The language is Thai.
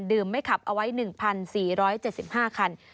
ไม่ขับเอาไว้๑๔๗๕คัน